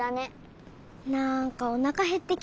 なんかおなかへってきちゃった。